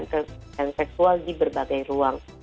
untuk menghentikan kekerasan seksual di berbagai ruang